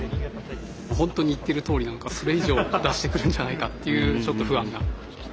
ホントに言ってるとおりなのかそれ以上出してくるんじゃないかっていうちょっと不安が。